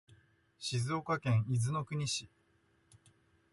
静岡県伊豆の国市